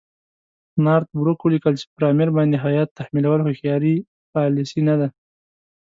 نارت بروک ولیکل چې پر امیر باندې هیات تحمیلول هوښیاره پالیسي نه ده.